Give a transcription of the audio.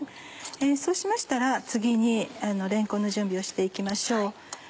そうしましたら次にれんこんの準備をして行きましょう。